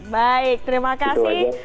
baik terima kasih